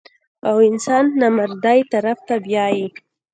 او انسان نامردۍ طرف ته بيائي -